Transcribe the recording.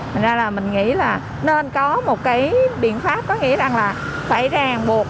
thế nên là mình nghĩ là nên có một cái biện pháp có nghĩa rằng là phải ràng buộc